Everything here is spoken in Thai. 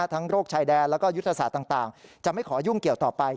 โรคชายแดนแล้วก็ยุทธศาสตร์ต่างจะไม่ขอยุ่งเกี่ยวต่อไป